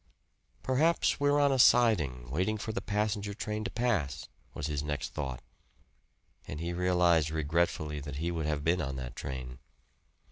"Perhaps we're on a siding, waiting for the passenger train to pass," was his next thought; and he realized regretfully that he would have been on that train.